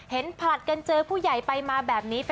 ผลัดกันเจอผู้ใหญ่ไปมาแบบนี้